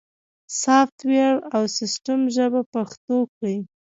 سافت ویر او سیستم ژبه پښتو کړئ